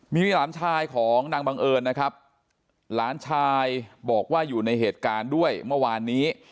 มีหลานชายของนางบังเอิญนะครับหลานชายบอกว่าอยู่ในเหตุการณ์ด้วยเมื่อวานนี้